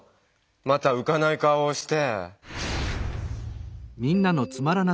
またうかない顔をして。